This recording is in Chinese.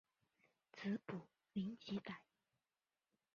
子卜怜吉歹。